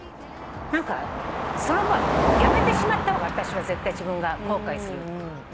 何か辞めてしまった方が私は絶対自分が後悔する。